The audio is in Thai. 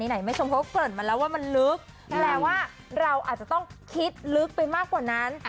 ไหนแม่ชมเขาก็เกริ่นมาแล้วว่ามันลึกแปลว่าเราอาจจะต้องคิดลึกไปมากกว่านั้น